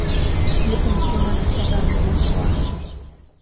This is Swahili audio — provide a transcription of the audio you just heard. Ndipo nasema, nataka mguso wako.